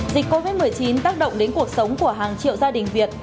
dịch covid một mươi chín tác động đến cuộc sống của hàng triệu gia đình việt